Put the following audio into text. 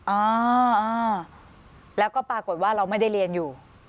อ่าอ่าแล้วก็ปรากฏว่าเราไม่ได้เรียนอยู่